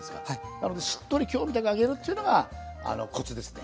なのでしっとり今日みたく揚げるっていうのがコツですね。